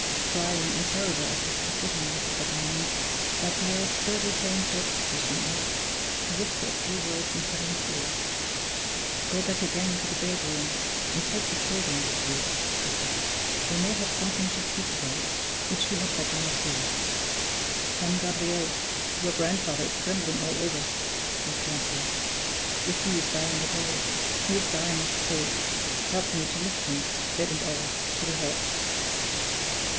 Trying and terrible as his position was at that moment, Gabriel still retained self possession enough to whisper a few words in Perrine's ear. "Go back again into the bedroom, and take the children with you," he said. "We may have something to speak about which you had better not hear." "Son Gabriel, your grandfather is trembling all over," said Francois. "If he is dying at all, he is dying of cold; help me to lift him, bed and all, to the hearth."